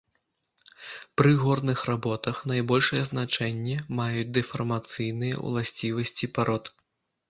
Пры горных работах найбольшае значэнне маюць дэфармацыйныя ўласцівасці парод.